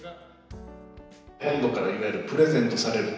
本土からいわゆるプレゼントされる。